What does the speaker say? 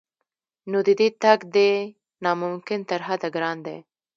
نو د دې تګ دی نا ممکن تر حده ګران دی